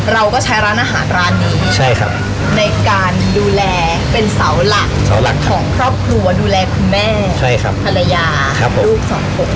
เราก็ใช้ร้านอาหารร้านนี้ในการดูแลเป็นเสาหลักเสาหลักของครอบครัวดูแลคุณแม่ภรรยาลูกสองคน